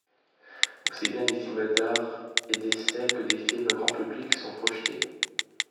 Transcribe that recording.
Aussi bien des films d'art et d'essai que des films grand public sont projetés.